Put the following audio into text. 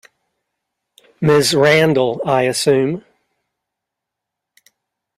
Ms Randall, I assume?